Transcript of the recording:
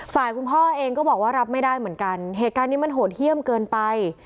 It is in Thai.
ฝ่ายคุณพ่อเองก็บอกว่ารับไม่ได้เหมือนกันเหตุการณ์นี้มันโหดเยี่ยมเกินไป